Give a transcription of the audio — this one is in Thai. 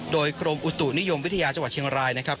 โดยกรมอุตุนิยมวิทยาจังหวัดเชียงรายนะครับ